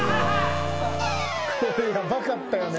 これヤバかったよね。